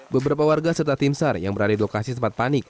beberapa warga serta tim sar yang berada di lokasi sempat panik